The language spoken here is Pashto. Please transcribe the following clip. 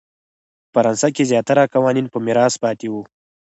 په فرانسه کې زیاتره قوانین په میراث پاتې وو.